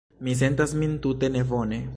Mi sentas min tute nebone.